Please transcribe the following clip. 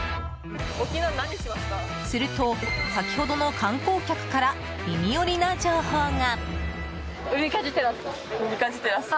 すると、先ほどの観光客から耳よりな情報が！